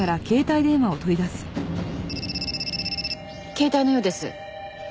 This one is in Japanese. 携帯のようです。